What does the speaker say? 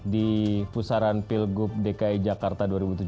di pusaran pilgub dki jakarta dua ribu tujuh belas